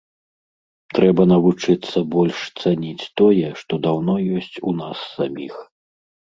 Трэба навучыцца больш цаніць тое, што даўно ёсць у нас саміх.